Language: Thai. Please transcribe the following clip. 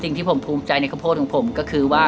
สิ่งที่ผมภูมิใจในข้าวโพดของผมก็คือว่า